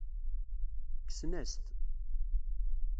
Kksen-as-t.